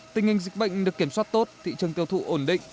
tình hình dịch bệnh được kiểm soát tốt thị trường tiêu thụ ổn định